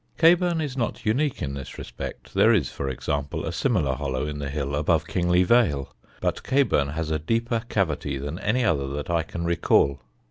Caburn is not unique in this respect; there is, for example, a similar hollow in the hill above Kingly Vale; but Caburn has a deeper cavity than any other that I can recall.